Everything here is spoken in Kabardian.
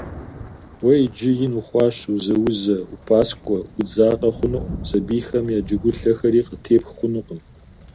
Уэ иджы ин ухъуащ, узаузэ, упӏаскӏуэ, удзакъэ хъунукъым, сабийхэм я джэгуалъэхэри къатепх хъунукъым.